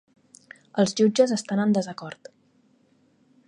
Els jutges estan en desacord.